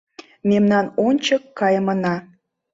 Мемнан ончык кайымына